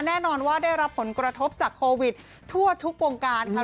แน่นอนว่าได้รับผลกระทบจากโควิดทั่วทุกวงการค่ะ